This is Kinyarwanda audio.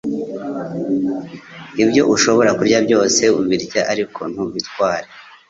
Ibyo ushobora kurya byose ubirya ariko ntubitware